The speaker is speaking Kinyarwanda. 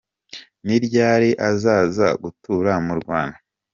Ni ryari azaza gutura mu Rwanda?.